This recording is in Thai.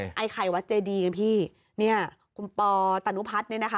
ไอ้ไข่วัดเจดีกันพี่เนี่ยคุณปอตานุพัฒน์เนี่ยนะคะ